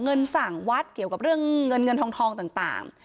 เงินสั่งวัดเกี่ยวกับเรื่องเงินเงินทองต่าง